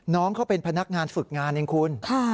น้องเขาเป็นพนักงานฝึกงานเองคุณ